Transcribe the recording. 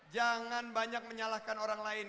jangan banyak menyalahkan orang lain